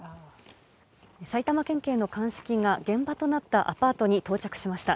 埼玉県警の鑑識が、現場となったアパートに到着しました。